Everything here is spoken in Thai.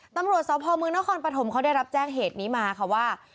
ตำรวจสพมนครปฐมเขาได้รับแจ้งเหตุนี้มาค่ะว่า